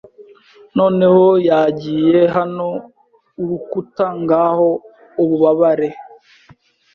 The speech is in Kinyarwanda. Noneho yagiye hano urukuta ngaho ububabare